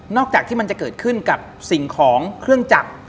จากที่มันจะเกิดขึ้นกับสิ่งของเครื่องจักร